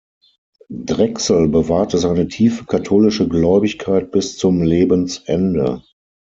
Drechsel bewahrte seine tiefe katholische Gläubigkeit bis zum Lebensende.